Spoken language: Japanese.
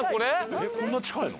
えっこんな近いの？